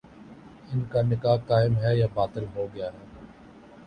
ان کا نکاح قائم ہے یا باطل ہو گیا ہے